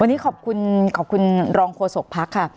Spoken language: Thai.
วันนี้ขอบคุณขอบคุณรองโฆษกภักดิ์ค่ะ